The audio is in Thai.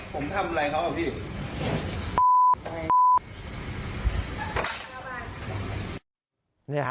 ผมทำอะไรเขาอ่ะพี่